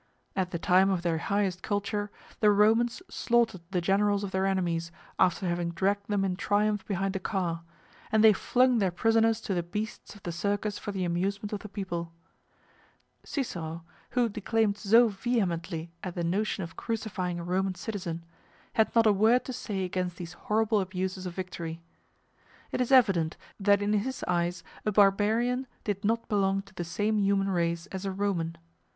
At the time of their highest culture, the Romans slaughtered the generals of their enemies, after having dragged them in triumph behind a car; and they flung their prisoners to the beasts of the Circus for the amusement of the people. Cicero, who declaimed so vehemently at the notion of crucifying a Roman citizen, had not a word to say against these horrible abuses of victory. It is evident that in his eyes a barbarian did not belong to the same human race as a Roman.